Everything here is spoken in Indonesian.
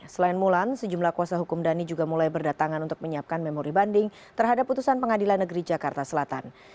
selain mulan sejumlah kuasa hukum dhani juga mulai berdatangan untuk menyiapkan memori banding terhadap putusan pengadilan negeri jakarta selatan